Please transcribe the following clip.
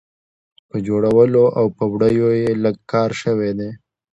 په جوړولو او په وړیو یې لږ کار شوی دی.